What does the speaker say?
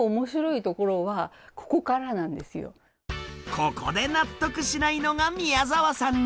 ここで納得しないのが宮澤さん流！